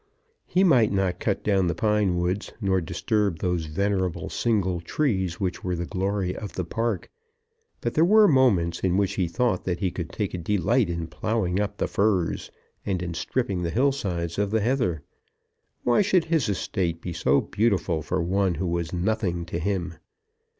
He might not cut down the pine woods, nor disturb those venerable single trees which were the glory of his park; but there were moments in which he thought that he could take a delight in ploughing up the furze, and in stripping the hill sides of the heather. Why should his estate be so beautiful for one who was nothing to him?